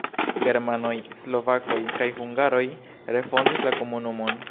Germanoj, slovakoj kaj hungaroj refondis la komunumon.